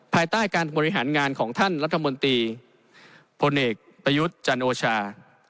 ภายใต้การบริหารงานของท่านรัฐมนตรีพลเอกประยุทธ์จันโอชา